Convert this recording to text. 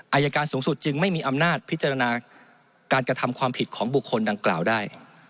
อายการสูงสุดจึงไม่มีอำนาจพิจารณาการกระทำความผิดของบุคคลดังกล่าวได้